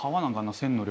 線の量。